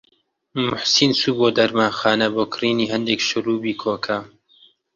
موحسین چوو بۆ دەرمانخانە بۆ کڕینی هەندێک شرووبی کۆکە.